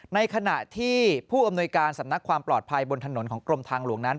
ในขณะที่ผู้อำนวยการสำนักความปลอดภัยบนถนนของกรมทางหลวงนั้น